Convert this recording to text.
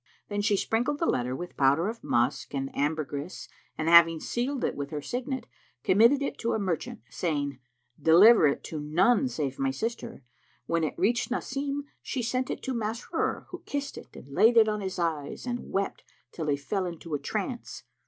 Then she sprinkled the letter with powder of musk and ambergris and, having sealed it with her signet, committed it to a merchant, saying, "Deliver it to none save to my sister." When it reached Nasim she sent it to Masrur, who kissed it and laid it on his eyes and wept till he fell into a trance.